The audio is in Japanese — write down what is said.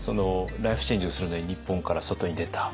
ライフチェンジをするのに日本から外に出た。